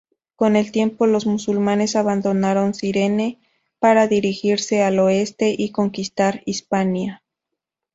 Con el tiempo, los musulmanes abandonaron Cirene para dirigirse al oeste y conquistar Hispania.